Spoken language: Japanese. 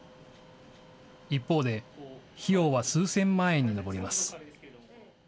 一方で、費用は数千万円に上ります。